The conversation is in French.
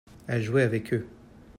elle jouait avec eux.